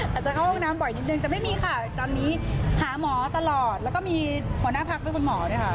อาจจะเข้าห้องน้ำบ่อยนิดนึงแต่ไม่มีค่ะตอนนี้หาหมอตลอดแล้วก็มีหัวหน้าพักด้วยคุณหมอด้วยค่ะ